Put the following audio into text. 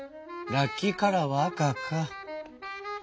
ラッキーカラーは赤」か。